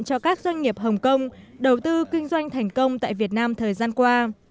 cho các doanh nghiệp hồng kông đầu tư kinh doanh thành công tại việt nam thời gian qua